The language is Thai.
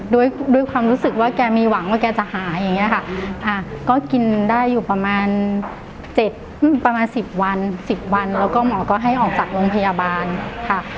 ด้วยความรู้สึกว่าแกมีหวังว่าแกจะหายอย่างนี้ค่ะก็กินได้อยู่ประมาณ๗ประมาณ๑๐วัน๑๐วันแล้วก็หมอก็ให้ออกจากโรงพยาบาลค่ะ